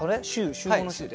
「集合」の「集」で？